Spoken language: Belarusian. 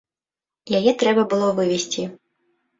Яе трэба было вывесці.